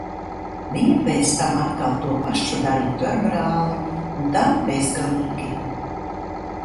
Viņa pēc tam atkal to pašu darītu ar brāli. Un tā bezgalīgi.